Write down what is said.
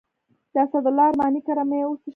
د اسدالله ارماني کره مې وڅښلې.